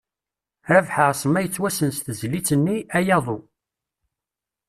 Rabeḥ Ԑesma yettwassen s tezlit-nni “Aya aḍu”.